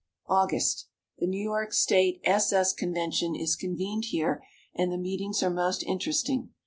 August. The New York State S. S. convention is convened here and the meetings are most interesting.